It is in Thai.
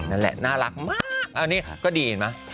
นั่นแหละน่ารักมากอันนี้ก็ดีเห็นไหม